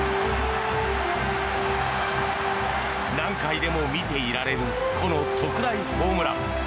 何回でも見ていられるこの特大ホームラン。